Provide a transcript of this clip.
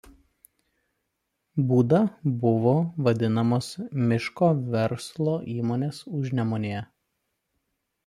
Būda buvo vadinamos miško verslo įmonės Užnemunėje.